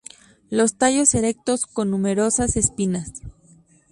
La tallos erectos con numerosas espinas.